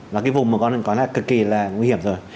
là cái vùng mà con có là cực kỳ là nguy hiểm rồi